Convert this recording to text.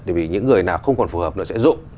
tại vì những người nào không còn phù hợp nữa sẽ rộn